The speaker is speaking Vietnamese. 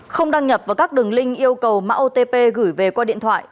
không đăng nhập vào các đường link yêu cầu mạng otp gửi về qua điện thoại